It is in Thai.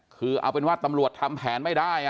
คือเอาเป็นว่าตำรวจทำแผนไม่ได้